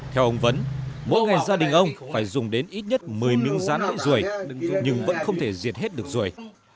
theo ông vấn mỗi ngày gia đình ông phải dùng đến ít nhất một mươi miếng rán ế rùi nhưng vẫn không thể diệt hết được rùi